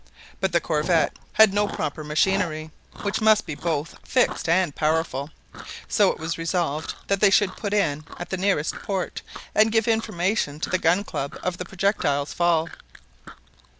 But the corvette had no proper machinery, which must be both fixed and powerful; so it was resolved that they should put in at the nearest port, and give information to the Gun Club of the projectile's fall.